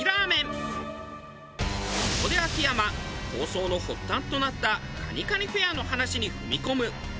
ここで秋山抗争の発端となった蟹蟹フェアの話に踏み込む。